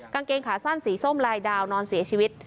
กางเกงขาสั้นสีส้มลายดาวนอนเสียชีวิต